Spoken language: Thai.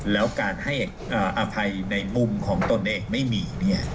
แล้วการให้อภัยในมุมของตนเองไม่มี